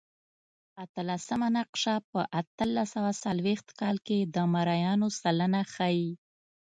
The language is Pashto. اتلسمه نقشه په اتلس سوه څلوېښت کال کې د مریانو سلنه ښيي.